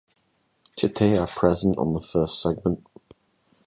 Chaetae are present on the first segment.